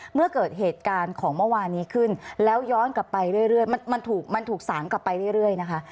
เมื่อเกิดเหตุการณ์ของเมื่อวานนี้ขึ้นแล้วย้อนกลับไปเรื่อยมันถูกมันถูกสารกลับไปเรื่อยนะคะ